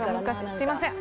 すみません。